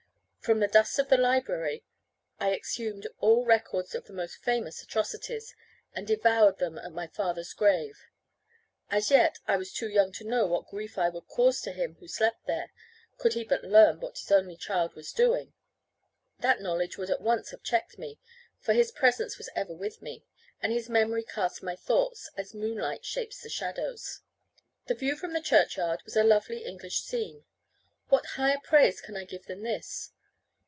From the dust of the library I exhumed all records of the most famous atrocities, and devoured them at my father's grave. As yet I was too young to know what grief it would cause to him who slept there, could he but learn what his only child was doing. That knowledge would at once have checked me, for his presence was ever with me, and his memory cast my thoughts, as moonlight shapes the shadows. The view from the churchyard was a lovely English scene. What higher praise can I give than this?